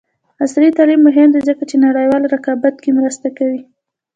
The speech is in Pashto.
عصري تعلیم مهم دی ځکه چې نړیوال رقابت کې مرسته کوي.